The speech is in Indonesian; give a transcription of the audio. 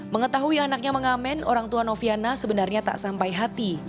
mengetahui anaknya mengamen orang tua noviana sebenarnya tak sampai hati